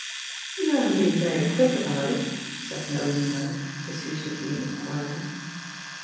"You haven't been very quick about it?" said tN^aomi Knight, facetiously inquiring.